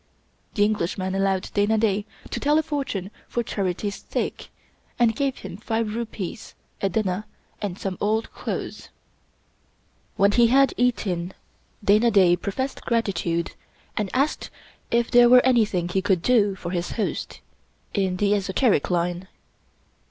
The Englishman allowed Dana Da to tell a fortune for charity's sake, and gave him five rupees, a dinner, and some old clothes. When he had 19 English Mystery Stories eaten, Dana Da professed gratitude, and asked if there were anything he could do for his host — in the esoteric line.